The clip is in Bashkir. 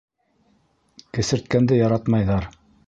Кесерткәнде яратмайҙар.